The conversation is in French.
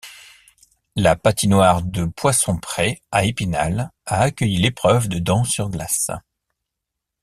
La Patinoire de Poissompré à Épinal a accueilli l'épreuve de danse sur glace.